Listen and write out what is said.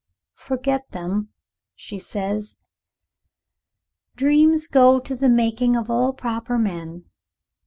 "Forget them," she says; "dreams go to the making of all proper men.